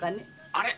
あれ？